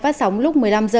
phát sóng lúc một mươi năm h